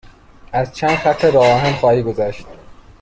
از چند خط راه آهن خواهی گذشت.